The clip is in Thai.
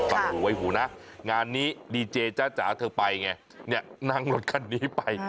หูไว้หูนะงานนี้ดีเจจ้าจ๋าเธอไปไงเนี่ยนั่งรถคันนี้ไป